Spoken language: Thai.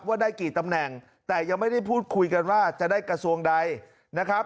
ว่าได้กี่ตำแหน่งแต่ยังไม่ได้พูดคุยกันว่าจะได้กระทรวงใดนะครับ